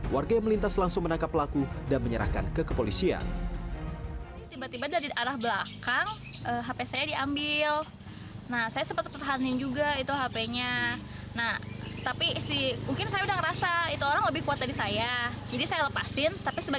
warga yang melintas langsung menangkap pelaku dan menyerahkan ke kepolisian